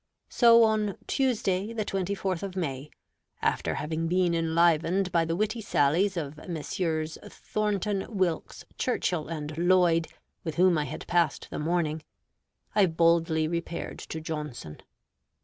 So on Tuesday the 24th of May, after having been enlivened by the witty sallies of Messieurs Thornton, Wilkes, Churchill, and Lloyd, with whom I had passed the morning, I boldly repaired to Johnson.